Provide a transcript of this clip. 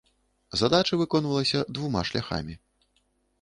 Задача выконвалася двума шляхамі.